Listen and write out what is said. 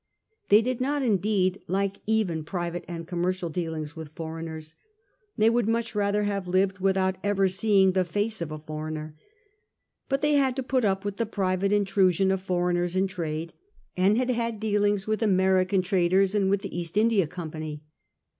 They did not indeed like even private and commercial dealings with foreigners. They would much rather have lived without ever seeing the face of a foreigner. But they had put up with the private intrusion of foreigners and trade, and had had dealings with American traders, and with .the East India Company.